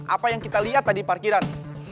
apa yang kita lihat tadi parkiran